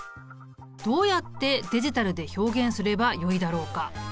どうやってデジタルで表現すればよいだろうか？